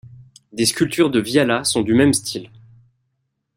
Des sculptures de Viala sont du même style.